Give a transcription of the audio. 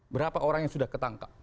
berapa orang yang sudah ketangkap